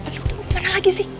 lo kemana lagi sih